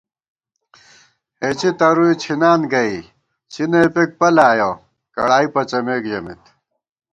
ہېڅی ترُوئی څھِنان گئ څِنہ اِپېک پَل آیَہ کڑائی پَڅَمېک ژمېت